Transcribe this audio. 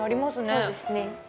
そうですね。